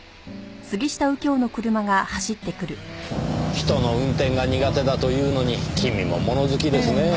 人の運転が苦手だというのに君も物好きですねぇ。